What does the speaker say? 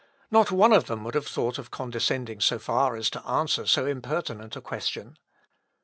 Not one of them would have thought of condescending so far as to answer so impertinent a question.